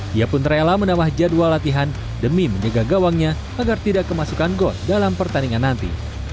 dia pun rela menambah jadwal latihan demi menjaga gawangnya agar tidak kemasukan gol dalam pertandingan nanti